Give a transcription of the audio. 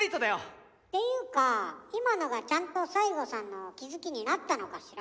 ていうか今のがちゃんと西郷さんの気付きになったのかしら？